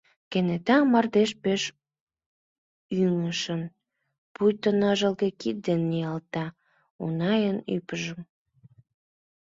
Кенета мардеж пеш ӱҥышын, пуйто ныжылге кид ден, ниялта Унайын ӱпшым.